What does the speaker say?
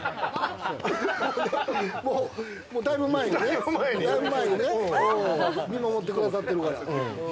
もうだいぶ前にね、見守ってくださってるから。